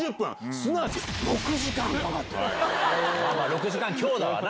６時間強だわな。